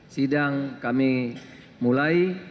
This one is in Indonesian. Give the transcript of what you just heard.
sidang kami mulai